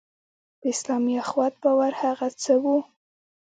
په اسلامي اخوت باور هغه څه وو.